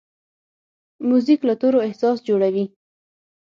موزیک له تورو احساس جوړوي.